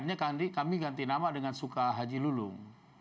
akhirnya kami ganti nama dengan sukah haji lulung